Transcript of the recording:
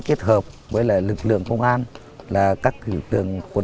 cách ăn uống hợp vệ sinh để đề phòng bệnh tật cách ăn uống hợp vệ sinh để đề phòng bệnh tật